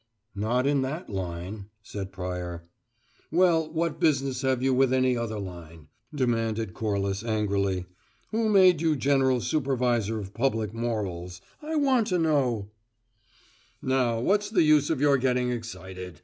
"Not in that line," said Pryor. "Well, what business have you with any other line?" demanded Corliss angrily. "Who made you general supervisor of public morals? I want to know " "Now, what's the use your getting excited?